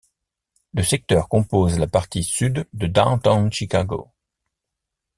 Le secteur compose la partie sud de Downtown Chicago.